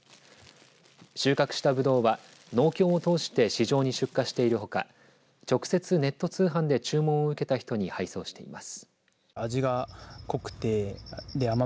収穫したブドウは農協を通して市場に出荷しているほか直接ネット通販で注文を受けた人に配送しています。